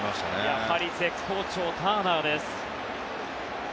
やはり絶好調ターナーです。